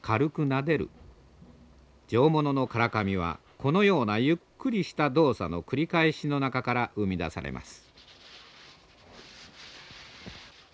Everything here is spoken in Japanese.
上物の唐紙はこのようなゆっくりした動作の繰り返しの中から生み出されます。